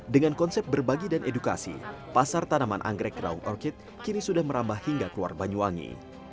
dengan konsep berbagi dan edukasi pasar tanaman anggrek raung orchid kini sudah merambah hingga keluar banyuwangi